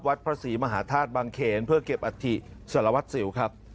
พระศรีมหาธาตุบังเขนเพื่อเก็บอัฐิสารวัตรสิวครับ